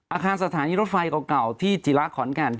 อาคารสถานีรถไฟเก่าที่จิระขอนแก่น